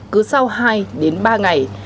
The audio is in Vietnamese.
cứ sau hai đến ba ngày